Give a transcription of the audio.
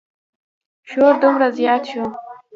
شور دومره زیات شو.